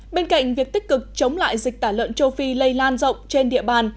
bên cạnh việc tích cực chống lại dịch tả lợn châu phi lây lan rộng trên địa bàn